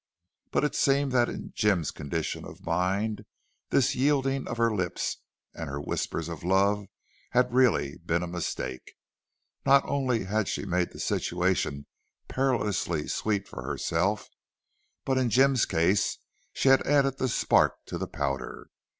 But it seemed that in Jim's condition of mind this yielding of her lips and her whispers of love had really been a mistake. Not only had she made the situation perilously sweet for herself, but in Jim's case she had added the spark to the powder.